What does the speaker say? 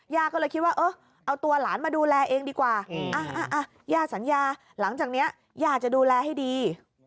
ย่าก็เลยคิดว่าเออเอาตัวหลานมาดูแลเองดีกว่าย่าสัญญาหลังจากนี้ย่าจะดูแลให้ดี